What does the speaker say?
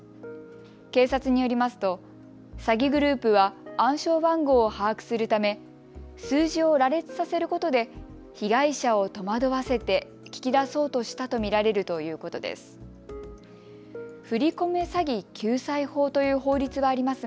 警察によりますと詐欺グループは暗証番号把握するため数字を羅列させることで被害者を戸惑わせて聞き出そうとしたと見られるということです。